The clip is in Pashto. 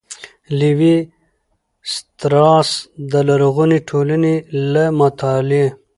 ''لېوي ستراس د لرغونو ټولنو له مطالعې